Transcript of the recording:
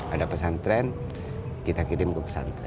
ada pesantren kita kirim ke pesantren